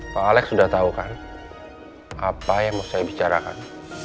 pak alex sudah tahu kan apa yang mau saya bicarakan